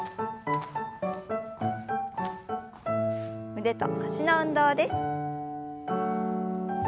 腕と脚の運動です。